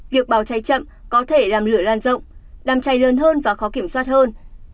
việc báo cháy chậm có thể làm lửa lan rộng làm cháy lớn hơn và khó kiểm soát hơn